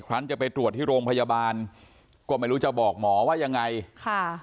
ครั้งจะไปตรวจที่โรงพยาบาลก็ไม่รู้จะบอกหมอว่ายังไงค่ะ